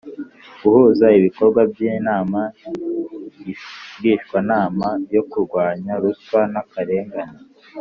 guhuza ibikorwa by’inama ngishwanama yo kurwanya ruswa n’akarengane,